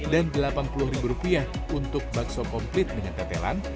dan delapan puluh rupiah untuk bakso komplit dengan ketelan